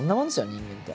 人間って。